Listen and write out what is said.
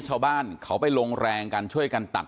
ชาวบ้านเขาไปลงแรงกันช่วยกันตัด